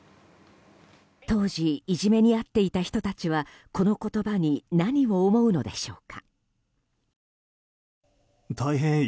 当時いじめに遭っていた人たちはこの言葉に何を思うのでしょうか。